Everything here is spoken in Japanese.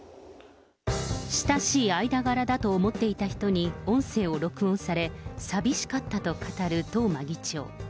親しい間柄だと思っていた人に音声を録音され、寂しかったと語る東間議長。